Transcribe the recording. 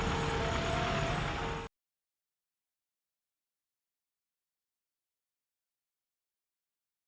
dan antara keperluan us kap guard weather event musim kualitas